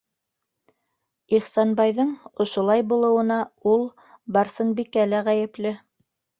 Ихсанбайҙың ошолай булыуына ул, Барсынбикә лә, ғәйепле.